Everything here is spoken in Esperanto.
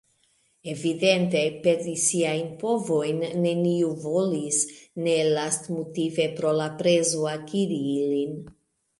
Evidente, perdi siajn povojn neniu volis – ne lastmotive pro la prezo akiri ilin.